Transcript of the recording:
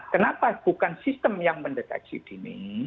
kenapa bukan sistem yang mendeteksi dini